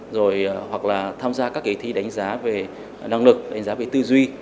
rồi hoặc là tham gia các cái thí đánh giá về năng lực đánh giá về tư duy